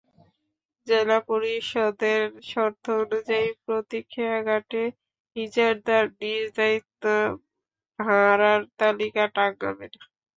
জেলা পরিষদের শর্ত অনুযায়ী, প্রতি খেয়াঘাটে ইজারাদার নিজ দায়িত্বে ভাড়ার তালিকা টাঙাবেন।